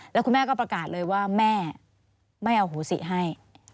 แล้วคุณแม่ก็ประกาศเลยว่าแม่ไม่เอาหูสิให้